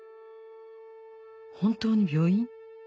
本当に病院？